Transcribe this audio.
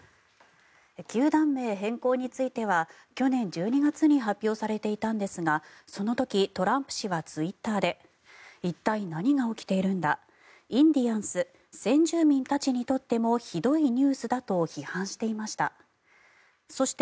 球団名変更については去年１２月に発表されていたんですがその時トランプ氏はツイッターで一体、何が起きているんだインディアンス先住民たちにとってもひどいニュースだと批判していました。